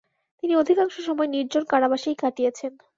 তিনি অধিকাংশ সময় নির্জন কারাবাসেই কাটিয়েছেন।